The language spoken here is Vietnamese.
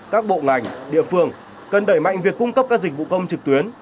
các bộ ngành địa phương cần đẩy mạnh việc cung cấp các dịch vụ công trực tuyến